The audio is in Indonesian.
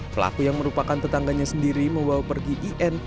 pelaku yang merupakan tetangganya sendiri membawa pergi in